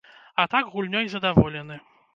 А так гульнёй задаволены.